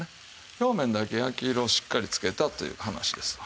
表面だけ焼き色をしっかりつけたという話ですわ。